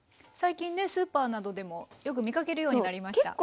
最近ねスーパーなどでもよく見かけるようになりました。